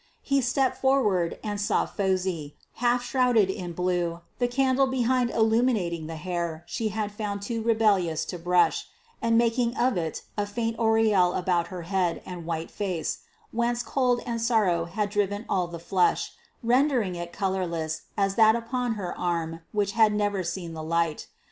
He stepped forward, and saw Phosy, half shrouded in blue, the candle behind illuminating the hair she had found too rebellious to the brush, and making of it a faint aureole about her head and white face, whence cold and sorrow had driven all the flush, rendering it colourless as that upon her arm which had never seen the light.